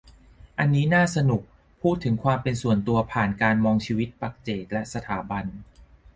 อันนี้น่าสนุก พูดถึงความเป็นส่วนตัว ผ่านการมองชีวิตปัจเจกและสถาบัน